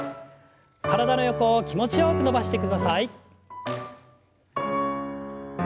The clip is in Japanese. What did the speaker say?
体の横を気持ちよく伸ばしてください。